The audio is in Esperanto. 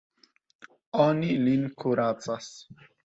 Oni lin kuracas.